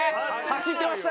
走ってました！